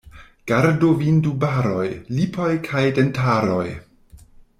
Gardu vin du baroj: lipoj kaj dentaroj.